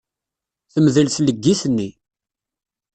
Temdel tleggit-nni.